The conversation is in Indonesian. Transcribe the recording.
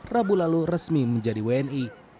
rabu lalu resmi menjadi wni